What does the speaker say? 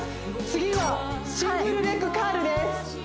次はシングルレッグカールです